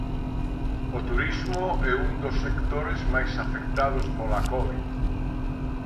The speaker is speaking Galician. O turismo é un dos sectores máis afectados pola covid.